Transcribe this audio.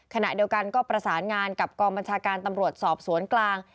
ขณะเดียวกันก็ประสานงานกับกองบัญชาการตำรวจสอบสวนกลาง